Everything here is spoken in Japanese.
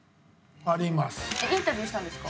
インタビューしたんですか？